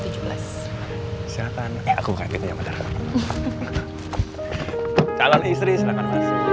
hai sehatan aku kayak gitu ya mbak calon istri silahkan